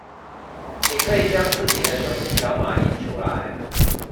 也可以將自己的手機條碼印出來